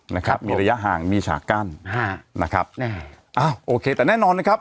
นะครับมีระยะห่างมีฉากกั้นฮะนะครับแน่อ้าวโอเคแต่แน่นอนนะครับ